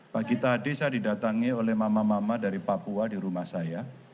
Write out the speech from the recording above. pagi tadi saya didatangi oleh mama mama dari papua di rumah saya